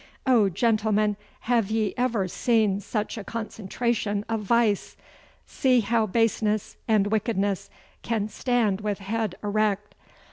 Oh, gentlemen, have ye ever seen such a concentration of vice? See how baseness and wickedness can stand with head erect!